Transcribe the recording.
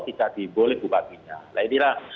tidak diboleh bupatinya nah inilah